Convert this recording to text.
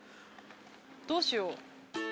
どうしよう。